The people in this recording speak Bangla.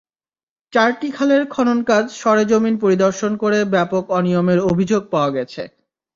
চারটি খালের খননকাজ সরেজমিন পরিদর্শন করে ব্যাপক অনিয়মের অভিযোগ পাওয়া গেছে।